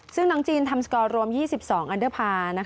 ซึ่งน้องจีนทำสกอร์รวม๒๒อันเดอร์พาร์